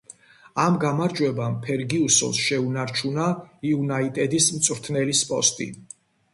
ამ გამარჯვებამ ფერგიუსონს შეუნარჩუნა „იუნაიტედის“ მწვრთნელის პოსტი.